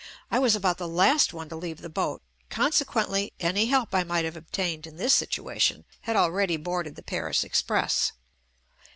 I was about the last one to leave the boat; consequently any help I might have obtained in this situation had already boarded the Paris Express.